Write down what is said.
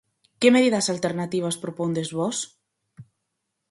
Que medidas alternativas propondes vós?